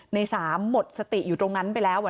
ในสามหมดสติเต็มอยู่ตรงนั้นไปแล้ว